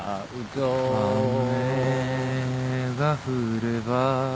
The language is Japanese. ・「雨が降れば」